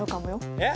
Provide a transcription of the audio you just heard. えっ？